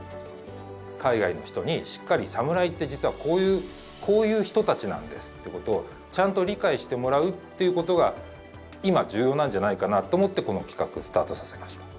海外の人にしっかり「サムライって実はこういう人たちなんです」ってことをちゃんと理解してもらうっていうことが今重要なんじゃないかなと思ってこの企画スタートさせました。